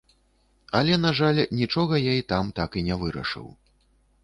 Але, на жаль, нічога я і там так і не вырашыў.